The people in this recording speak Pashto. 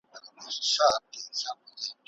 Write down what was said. ښوونکي وویل چې پښتو زده کړه اسانه کوي.